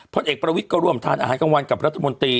พลเอกประวิทย์ก็ร่วมทานอาหารกลางวันกับรัฐมนตรี